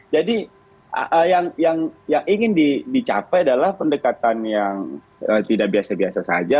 jadi yang ingin dicapai adalah pendekatan yang tidak biasa biasa saja